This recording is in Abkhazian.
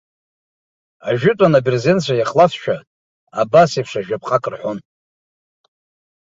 Ажәытәан, абырзенцәа иахлафшәа, абас еиԥш ажәаԥҟак рҳәон.